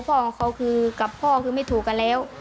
พ่อของเขาคือกับพ่อคือไม่ถูกกันแล้ว